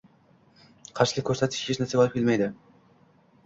Qarshilik ko‘rsatish hech narsaga olib kelmaydi.